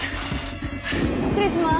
失礼します。